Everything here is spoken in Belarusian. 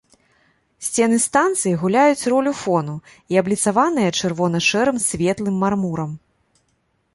Сцены станцыі гуляюць ролю фону і абліцаваныя чырвона-шэрым светлым мармурам.